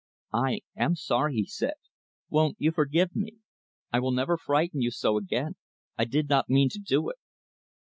"I am sorry," he said, "won't you forgive me? I will never frighten you so again. I did not mean to do it."